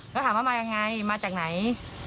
แล้วถามว่ามายังไงมาจากไหน